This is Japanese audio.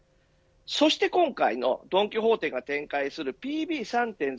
そして今回のドン・キホーテが展開するＰＢ３．０